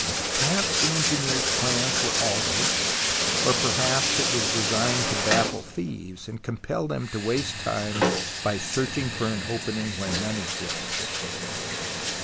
Perhaps the engineers' plans were altered, or perhaps it was designed to baffle thieves, and compel them to waste time by searching for an opening where none exists.